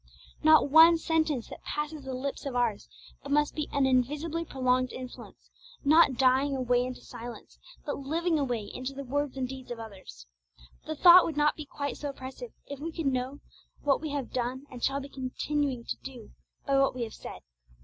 Not one sentence that passes these lips of ours but must be an invisibly prolonged influence, not dying away into silence, but living away into the words and deeds of others. The thought would not be quite so oppressive if we could know what we have done and shall be continuing to do by what we have said.